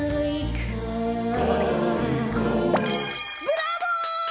ブラボー！